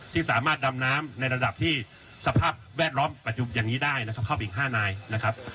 ที่สามารถดำน้ำในระดับที่สภาพแวดล้อมปัจจุบันอย่างนี้ได้นะครับเข้าไปอีก๕นายนะครับ